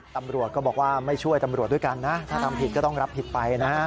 ตำรวจก็บอกว่าไม่ช่วยตำรวจด้วยกันนะถ้าทำผิดก็ต้องรับผิดไปนะ